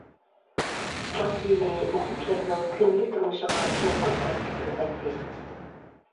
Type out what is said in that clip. ئىسلام دىنى مۇخلىسلىرىنىڭ كۈندىلىك تۇرمۇشىغا چوڭقۇر تەسىر كۆرسەتتى.